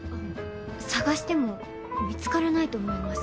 探しても見つからないと思います。